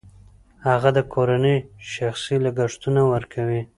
هغه د کورنۍ شخصي لګښتونه ورکوي